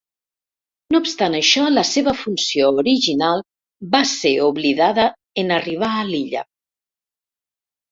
No obstant això la seva funció original va ser oblidada en arribar a l'illa.